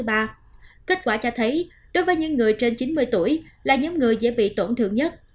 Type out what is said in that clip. kết quả cho thấy đối với những người trên chín mươi tuổi là những người dễ bị tổn thương nhất